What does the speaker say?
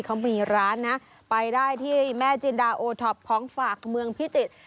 เขามีร้านนะไปได้ที่แม่จินดาโอท็อปของฝากเมืองพิจิตร